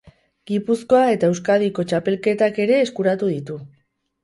Gipuzkoa eta Euskadiko txapelketak ere eskuratu ditu.